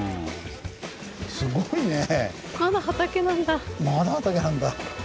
すごいねぇ。